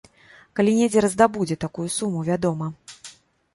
Калі недзе раздабудзе такую суму, вядома.